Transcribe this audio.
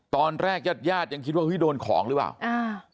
ตอนแรกญาติญาติยังคิดว่าเฮ้ยโดนของหรือเปล่าอ่า